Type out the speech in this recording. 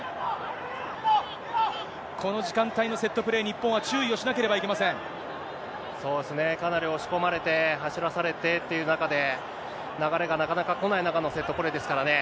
この時間帯のセットプレー、日本は注意をしなければいけませそうですね、かなり押し込まれて、走らされてっていう中で、流れがなかなか来ない中のセットプレーですからね。